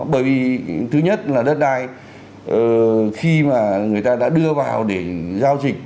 bởi vì thứ nhất là đất đai khi mà người ta đã đưa vào để giao dịch